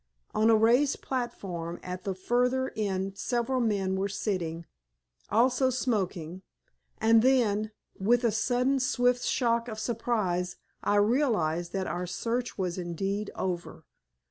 On a raised platform at the further end several men were sitting, also smoking, and then, with a sudden, swift shock of surprise, I realized that our search was indeed over.